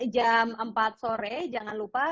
jam empat sore jangan lupa